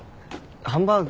ハンバーグ。